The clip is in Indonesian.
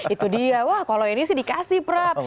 itu dia wah kalau ini sih dikasih prap